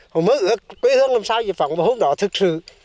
họ mới ước quê hương làm sao gì phẳng và hôm đó thực sự